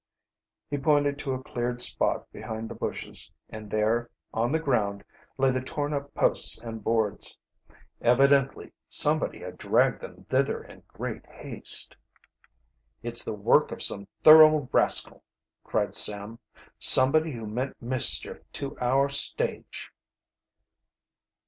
He pointed to a cleared spot behind the bushes and there, on the ground, lay the torn up posts and boards. Evidently somebody had dragged them thither in great haste. "It's the work of some thorough rascal!" cried Sam. "Somebody who meant mischief to our stage."